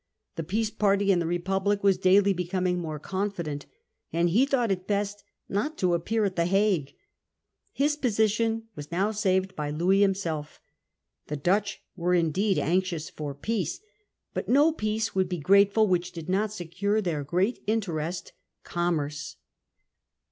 The peace party in the Republic was daily becoming more confident, and he thought it best not to appear at the Hague. His position was now saved by Louis him self. The Dutch were indeed anxious for peace. But no peace would be grateful which did not secure their great interest, commerce.